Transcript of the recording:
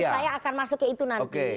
oh ya itu saya akan masuk ke itu nanti